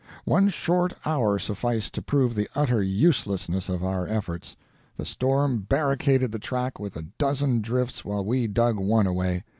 "One short hour sufficed to prove the utter uselessness of our efforts. The storm barricaded the track with a dozen drifts while we dug one away.